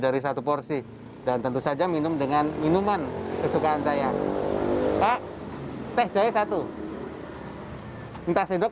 dari satu porsi dan tentu saja minum dengan minuman kesukaan saya pak teh jahe satu minta sendok